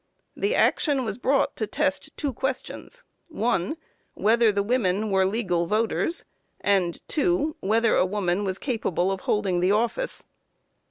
The action was brought to test two questions: 1. Whether women were legal voters; and 2. Whether a woman was capable of holding the office.